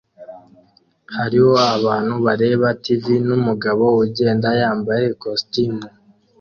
Hariho abantu bareba TV numugabo ugenda yambaye ikositimu